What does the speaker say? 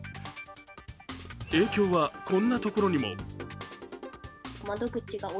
影響はこんなところにも。